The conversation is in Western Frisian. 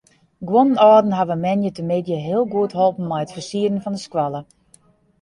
Guon âlden hawwe moandeitemiddei heel goed holpen mei it fersieren fan de skoalle.